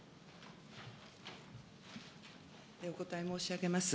お答え申し上げます。